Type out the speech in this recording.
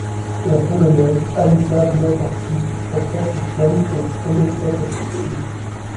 La Polonaise Anita Wlodarczyk remporte le challenge pour la troisième fois consécutive.